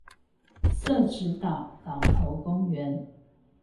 社子島島頭公園